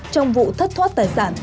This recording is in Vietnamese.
trong vụ thất thoát tài sản